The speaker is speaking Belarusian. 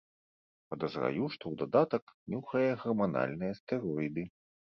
Падазраю, што ў дадатак нюхае гарманальныя стэроіды.